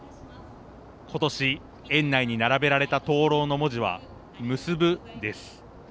ことし園内の並べられた灯籠の文字はむすぶです。